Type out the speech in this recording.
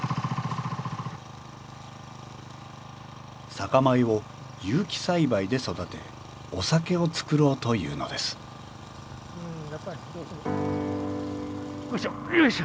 酒米を有機栽培で育てお酒を造ろうというのですよいしょ！